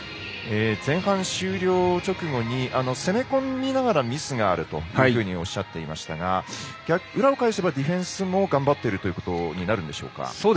前半終了直後に攻め込みながらミスがあるというふうにおっしゃっていましたが裏を返せばディフェンスも頑張っているということになるんでしょうか？